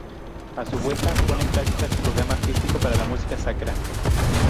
A su vuelta, pone en práctica su programa artístico para la música sacra.